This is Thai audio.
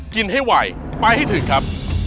กินให้ไวไปให้ถึงครับ